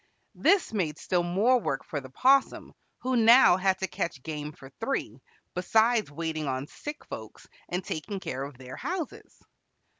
This made still more work for the 'Possum, who now had to catch game for three, besides waiting on sick folks and taking care of their houses.